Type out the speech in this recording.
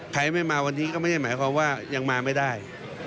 ใครไม่มาวันนี้ก็ไม่ได้หมายความว่ายังมาไม่ได้